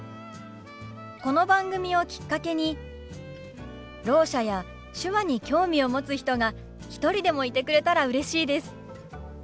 この番組をきっかけにろう者や手話に興味を持つ人が一人でもいてくれたらうれしいです。